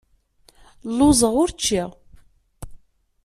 Lluẓeɣ ur ččiɣ.